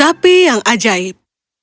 sapi yang ajaib